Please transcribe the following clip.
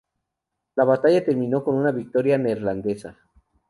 La batalla terminó con una victoria neerlandesa.